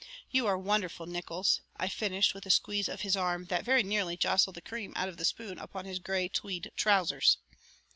You are wonderful, Nickols," I finished with a squeeze of his arm that very nearly jostled the cream out of the spoon upon his gray tweed trousers.